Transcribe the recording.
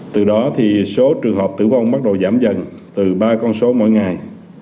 từ đó thì số trường hợp tử vong bắt đầu giảm dần từ ba con số mỗi ngày